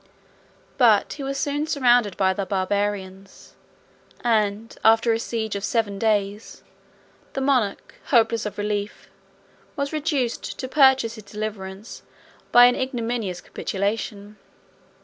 But he was soon surrounded by the Barbarians; and, after a siege of seven days, the monarch, hopeless of relief, was reduced to purchase his deliverance by an ignominious capitulation.